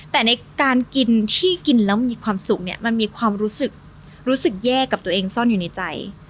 แต่ในการกินที่กินแล้วมีความสุขเนี่ยมันมีความรู้สึกรู้สึกแย่กับตัวเองซ่อนอยู่ในใจ